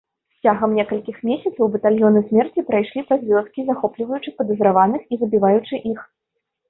Цягам некалькіх месяцаў батальёны смерці прайшлі праз вёскі, захопліваючы падазраваных і забіваючы іх.